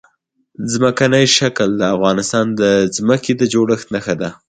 ځمکنی شکل د افغانستان د ځمکې د جوړښت نښه ده.